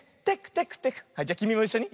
はいじゃきみもいっしょに。